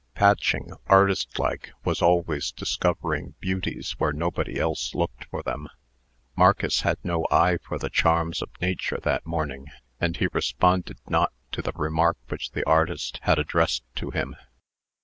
Patching, artist like, was always discovering beauties where nobody else looked for them. Marcus had no eye for the charms of nature that morning, and he responded not to the remark which the artist had addressed to him.